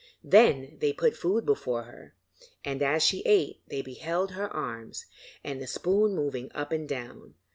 Then they put food before her, and, as she ate, they beheld her arms, and the spoon moving up and down.